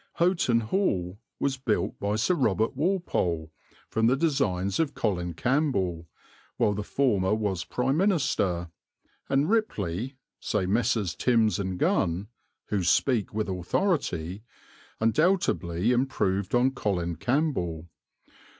Houghton Hall was built by Sir Robert Walpole from the designs of Colin Campbell, while the former was Prime Minister, and Ripley, say Messrs. Timbs and Gunn (who speak with authority), undoubtedly improved on Colin Campbell.